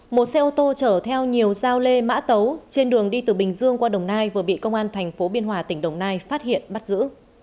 một xe ô tô chở theo nhiều giao lê mã tấu trên đường đi từ bình dương qua đồng nai vừa bị công an thành phố biên hòa tỉnh đồng nai phát hiện bắt giữ